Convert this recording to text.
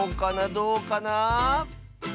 どうかな？